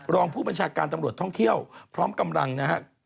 รองผู้บัญชาการตำรวจท่องเที่ยวพร้อมกำลังนะครับ